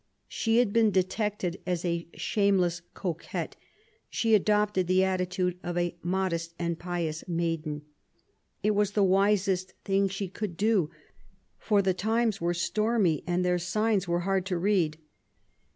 She had been detected as a shameless coquette; she adopted the attitude of a modest and pious maiden. It was the wisest thing which she could do ; for the times were stormy, and their signs were hard to read.